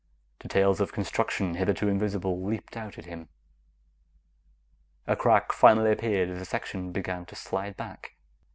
Details of construction, hitherto invisible, leaped out at him. A crack finally appeared as a section began to slide back.